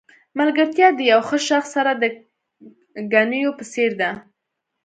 ملګرتیا د یو ښه شخص سره د ګنیو په څېر ده.